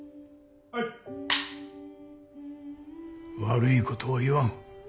悪いことは言わん。